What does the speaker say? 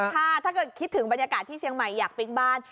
ถ้าเกิดคิดถึงบรรยากาศที่เชียงใหม่อยากปิ๊กบ้าน